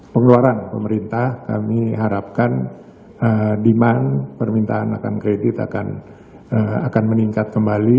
pengeluaran pemerintah kami harapkan demand permintaan akan kredit akan meningkat kembali